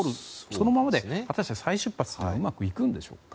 そのままで、果たして再出発はうまくいくんでしょうか。